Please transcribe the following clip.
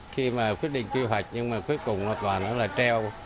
khi mà quyết định kỳ hoạch nhưng mà cuối cùng nó toàn là treo